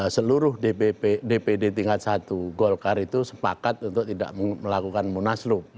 seluruh dpd tingkat satu gol kari itu sepakat untuk tidak melakukan munaslu